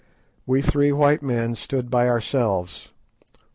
We three white men stood by ourselves.